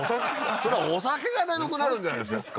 それはお酒が眠くなるんじゃないですか？